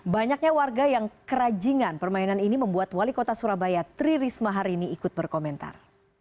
banyaknya warga yang kerajingan permainan ini membuat wali kota surabaya tri risma hari ini ikut berkomentar